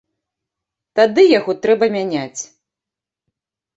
Тады яго трэба мяняць.